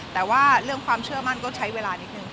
แต่ว่าเรื่องความเชื่อมั่นก็ใช้เวลานิดนึง